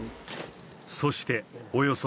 そしておよそ